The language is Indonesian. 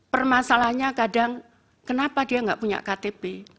permasalahnya kadang kenapa dia enggak punya ktp